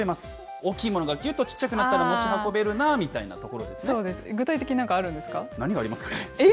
大きいものがぎゅっと小さくなったら持ち運べるなみたいなところそうです、具体的に何かある何がありますかね？